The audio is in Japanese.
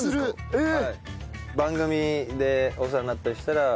えっ！